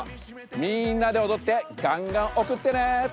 みんなでおどってがんがんおくってね！